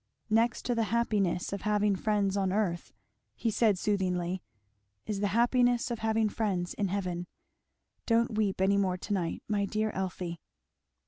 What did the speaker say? "Next to the happiness of having friends on earth," he said soothingly, "is the happiness of having friends in heaven. Don't weep any more to night, my dear Elfie."